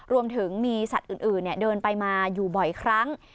รวมถึงมีสัตว์อื่นเดินไปมาอยู่บ่อยครั้ง